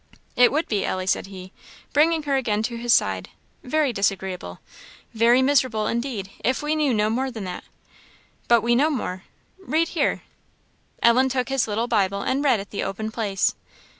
"It would be, Ellie," said he, bringing her again to his side "very disagreeable very miserable indeed, if we knew no more than that. But we know more read here." Ellen took his little Bible and read at the open place.